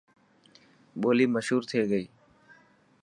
ٻولي مشور ٿي گئي.